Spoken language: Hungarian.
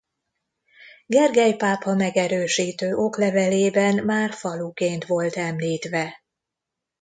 Gergely pápa megerősítő oklevelében már faluként volt említve.